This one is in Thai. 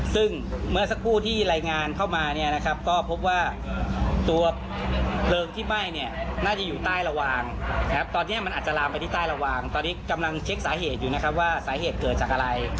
ซึ่งเมื่อสักครู่ที่รายงานเข้ามาเนี่ยนะครับก็พบว่าตัวเพลิงที่ไหม้เนี่ยน่าจะอยู่ใต้ระวางตอนนี้มันอาจจะลามไปที่ใต้ระวางตอนนี้กำลังเช็คสาเหตุอยู่นะครับว่าสาเหตุเกิดจากอะไร